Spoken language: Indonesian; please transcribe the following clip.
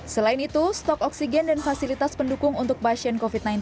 selain itu stok oksigen dan fasilitas pendukung untuk pasien covid sembilan belas